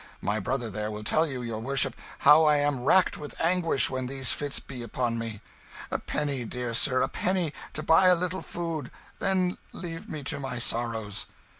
My brother there will tell your worship how I am racked with anguish when these fits be upon me. A penny, dear sir, a penny, to buy a little food; then leave me to my sorrows."